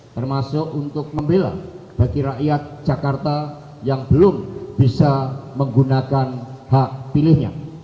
termasuk untuk membela bagi rakyat jakarta yang belum bisa menggunakan hak pilihnya